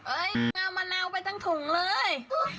เอามะนาวไปทั้งถุงเลย